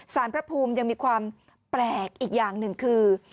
พระภูมิยังมีความแปลกอีกอย่างหนึ่งคือ